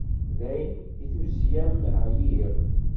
Dayen, si tuzzya-m ɛyiɣ.